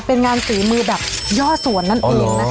เป็นงานฝีมือแบบย่อสวนนั่นเองนะคะ